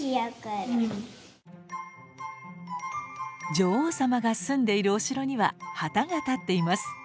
女王さまが住んでいるお城には旗が立っています。